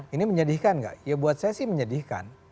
ini menyedihkan nggak ya buat saya sih menyedihkan